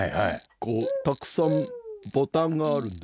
こうたくさんボタンがあるんです。